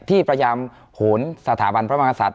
ที่พยายามโหนนสถาบันพระมางาสัตว์